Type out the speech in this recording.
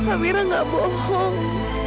amirah gak bohong